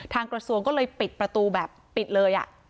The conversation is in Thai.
กระทรวงก็เลยปิดประตูแบบปิดเลย